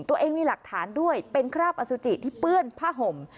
ตัวเองมีหลักฐานด้วยเป็นคราบอสุจิที่เปื้อนผ้าห่ม